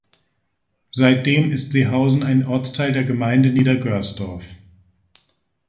Seitdem ist Seehausen ein Ortsteil der Gemeinde Niedergörsdorf.